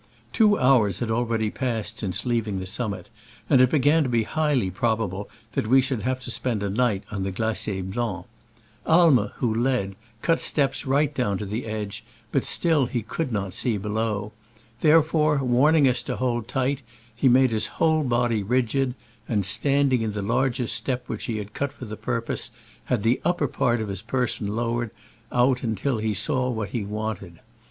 Two hours had already passed since leaving the summit, and it began to be highly probable that we should have to spend a night on the Glacier Blanc. Aimer, ^}P> 'i 89 who yet ledT ^tit ti tpa rtgfit down to the edge, but still he could not see below : therefore, warning us to hold tight, he made his whole body rigid, and (stand ing in the large step which he had cut for the purpose) had the upper part of his person lowered out until he saw what he wanted.